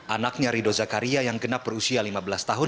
anaknya rido zakaria yang genap berusia lima belas tahun